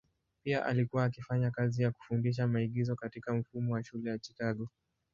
Pia alikuwa akifanya kazi ya kufundisha maigizo katika mfumo wa shule ya Chicago.